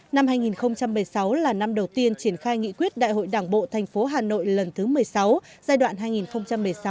năm hai nghìn một mươi sáu là năm đầu tiên triển khai nghị quyết đại hội đảng bộ tp hà nội lần thứ một mươi sáu giai đoạn hai nghìn một mươi sáu hai nghìn hai mươi